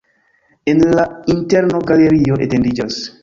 En la interno galerio etendiĝas.